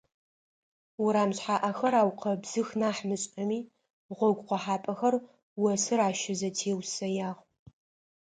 Урам шъхьаӀэхэр аукъэбзых нахь мышӀэми, гъогу къохьапӀэхэм осыр ащызэтеусэягъ.